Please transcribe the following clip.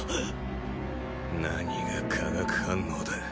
何が「化学反応」だ。